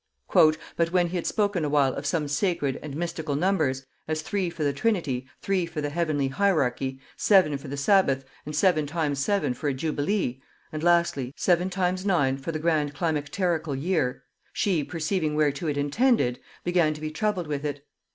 "But when he had spoken awhile of some sacred and mystical numbers, as three for the Trinity, three for the heavenly Hierarchy, seven for the Sabbath, and seven times seven for a Jubilee; and lastly, seven times nine for the grand climacterical year; she, perceiving whereto it tended, began to be troubled with it.